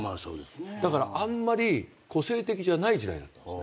だからあんまり個性的じゃない時代だったんです。